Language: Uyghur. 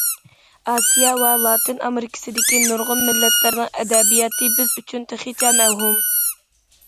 ئاسىيا ۋە لاتىن ئامېرىكىسىدىكى نۇرغۇن مىللەتلەرنىڭ ئەدەبىياتى بىز ئۈچۈن تېخىچە مەۋھۇم.